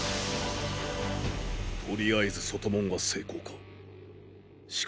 とりあえず外門は成功か。